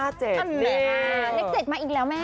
อันนี้๗มาอีกแล้วมั้ย